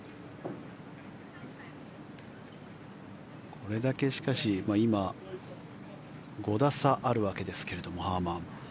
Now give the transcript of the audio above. これだけ、しかし今５打差あるわけですがハーマン。